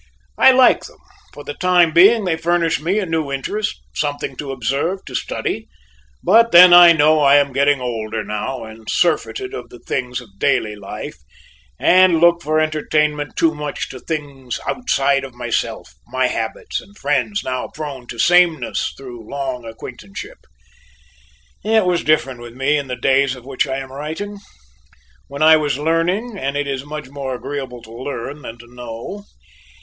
I like them; for the time being they furnish me a new interest, something to observe, to study; but then I know I am getting older now and surfeited of the things of daily life, and look for entertainment too much to things outside of myself, my habits and friends now prone to sameness through long acquaintanceship. It was different with me in the days of which I am writing. Then I was learning, and it is more agreeable to learn than to know.